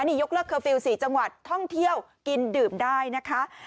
นี่ยกเลิกเคอร์ฟิลล์๔จังหวัดท่องเที่ยวกินดื่มได้นะคะ